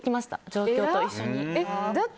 上京と一緒に。